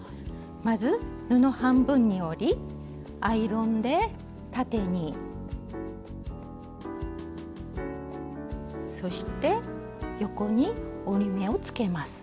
まず布半分に折りアイロンで縦にそして横に折り目をつけます。